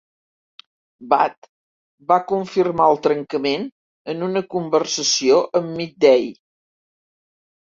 Bhatt va confirmar el trencament en una conversació amb "Mid-Day".